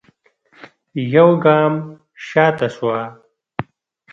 يوګام شاته سوه.